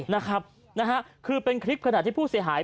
นะครับคือเป็นคลิปขนาดที่ผู้เสียหาย